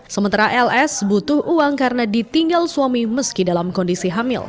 sementara ls butuh uang karena ditinggal suami meski dalam kondisi hamil